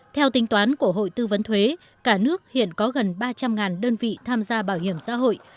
theo tính toán của hội tư vấn thuế cả nước hiện có gần ba trăm linh đơn vị tham gia bảo hiểm xã hội